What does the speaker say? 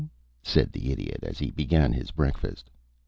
said the Idiot, as he began his breakfast.